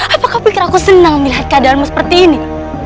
apakah kau pikir aku senang melihat keadaanmu seperti ini